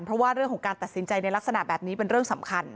เพราะว่าเรื่องของการตัดสินใจในลักษณะแบบนี้เป็นเรื่องสำคัญ